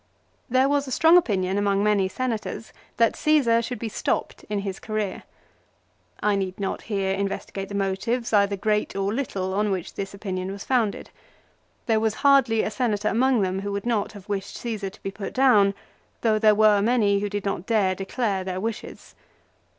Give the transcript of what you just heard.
There was a strong opinion among many Senators that Csesar should be stopped in his career. I need not here investigate the motives, either great or little, on which this opinion was founded. There was hardly a Senator among them who would not have wished Csesar to be put down, though there were many who did not dare declare their wishes.